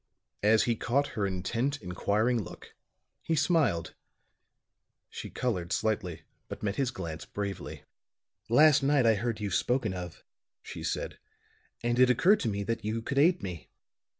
As he caught her intent, inquiring look, he smiled; she colored slightly, but met his glance bravely. "Last night I heard you spoken of," she said, "and it occurred to me that you could aid me."